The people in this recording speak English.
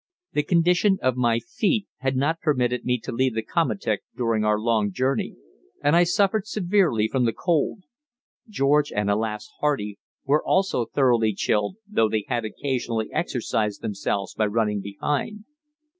The condition of my feet had not permitted me to leave the komatik during our long journey, and I suffered severely from the cold. George and, alas! Hardy, were also thoroughly chilled, though they had occasionally exercised themselves by running behind.